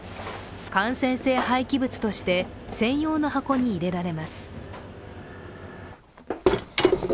感染性廃棄物として、専用の箱に入れられます。